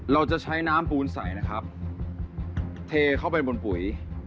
เราจะใช้น้ำปูนใสนะครับเทเข้าไปบนปุ๋ย